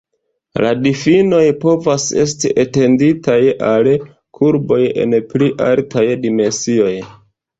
La difinoj povas esti etenditaj al kurboj en pli altaj dimensioj.